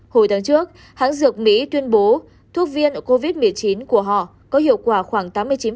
hồi tháng trước hãng dược mỹ tuyên bố thuốc viêm ở covid một mươi chín của họ có hiệu quả khoảng tám mươi chín